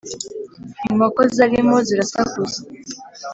inkoko zarimo zirasakuza.